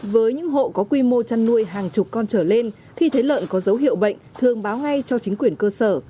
với những hộ có quy mô chăn nuôi hàng chục con trở lên khi thấy lợn có dấu hiệu bệnh thường báo ngay cho chính quyền cơ sở